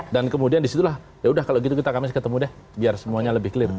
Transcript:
dan kemudian disitulah ya udah kalau gitu kita kami ketemu deh biar semuanya lebih clear